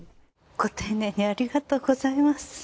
ご丁寧にありがとうございます。